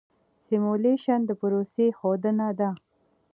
سیمولیشن د پروسې ښودنه ده.